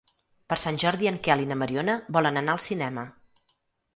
Per Sant Jordi en Quel i na Mariona volen anar al cinema.